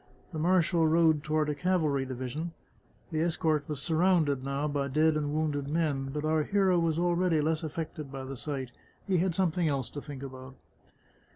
The marshal rode toward a cavalry division ; the escort was surrounded, now, by dead and wounded men, but our hero was already less affected by the sight; he had something else to think about.